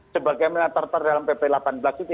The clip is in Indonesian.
sebagai yang tertera dalam pp delapan belas itu